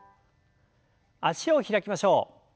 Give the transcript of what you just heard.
脚を開きましょう。